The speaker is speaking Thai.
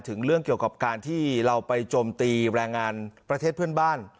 ถึงเรื่องเกี่ยวกับการที่เราไปโจมตีแรงงานประเทศเพื่อนบ้าน